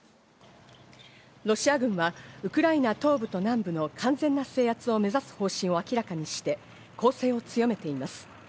ロシア軍はウクライナ東部と南部の完全な制圧を目指す方針を明らかにして、攻勢を強めています。